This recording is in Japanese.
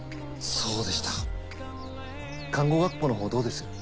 そうでした看護学校のほうどうです？